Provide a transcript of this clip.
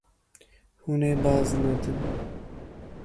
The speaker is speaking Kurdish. Hûn ê baz nedin.